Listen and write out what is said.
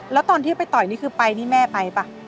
แล้วตอนที่ไปต่อยนี่คือไปนี่แม่ไปป่ะ